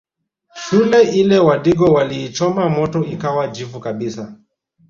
Shule ile wadigo waliichoma moto ikawa jivu kabisa